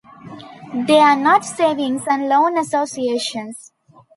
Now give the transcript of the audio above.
They are not savings and loan associations.